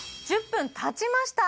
１０分たちました